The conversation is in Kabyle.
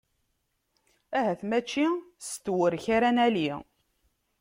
Ahat mačči s tewrek ara nali.